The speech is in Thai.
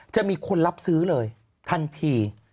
จะมีคนรับซื้อเลยทันที